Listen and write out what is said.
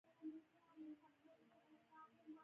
افغانستان د مس د پلوه ځانته ځانګړتیا لري.